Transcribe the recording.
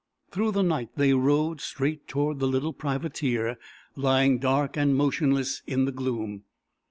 Through the night they rowed straight toward the little privateer lying dark and motionless in the gloom.